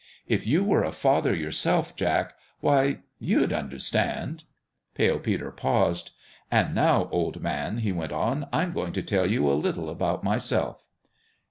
If you were a father yourself, Jack why you'd understand." Pale Peter paused. " And now, old man," he went on, "I'm going to tell you a little about myself."